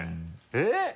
えっ？